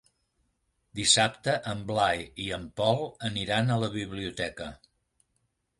Dissabte en Blai i en Pol aniran a la biblioteca.